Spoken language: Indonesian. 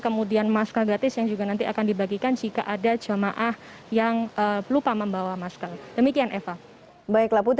kemudian masker gratis yang juga nanti akan dibagikan jika ada jamaah yang perlu